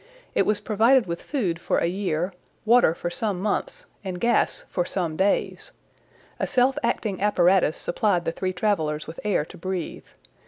It was provided with food for a year, water for some months, and gas for some days. A self acting apparatus supplied the three travelers with air to breathe.